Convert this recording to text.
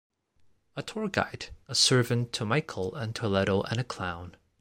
A tour guide, a servant to Michael and Toledo and a clown.